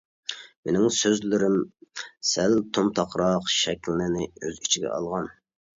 مېنىڭ سۆزلىرىم سەل تومتاقراق شەكلىنى ئۆز ئىچىگە ئالغان.